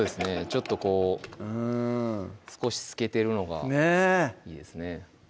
ちょっとこう少し透けてるのがいいですね